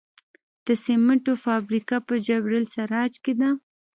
د سمنټو فابریکه په جبل السراج کې ده